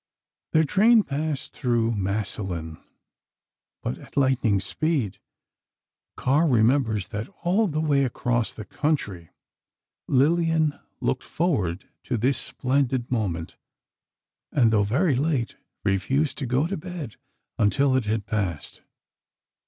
Their train passed through Massillon, but at lightning speed. Carr remembers that all the way across the country, Lillian looked forward to this splendid moment, and though very late, refused to go to bed until it had passed.